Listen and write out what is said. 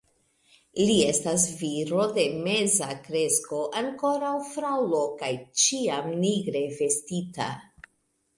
Li estas viro de meza kresko, ankoraŭ fraŭlo kaj ĉiam nigre vestita.